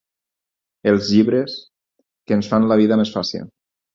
Els llibres que ens fan la vida més fàcil.